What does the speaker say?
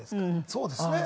そうですね。